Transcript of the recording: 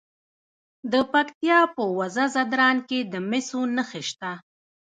د پکتیا په وزه ځدراڼ کې د مسو نښې شته.